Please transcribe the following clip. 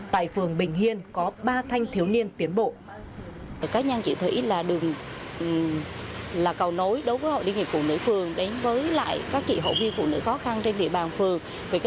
tại phường bình hiên có ba thanh thiếu niên tiến bộ